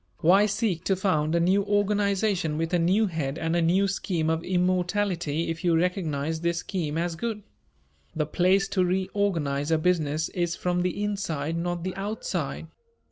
Why seek to found a new organization with a new head and a new scheme of immortality if you recognize this scheme as good? The place to reorganize a business is from the inside, not the outside.